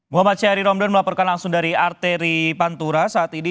muhammad syahri romdan melaporkan langsung dari arteri pantura saat ini